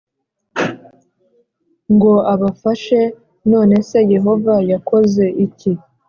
ngo abafashe None se Yehova yakoze iki